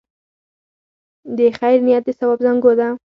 د خیر نیت د ثواب زانګو ده.